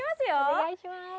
お願いします。